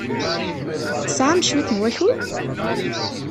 Tesɛam cwiṭ n wakud?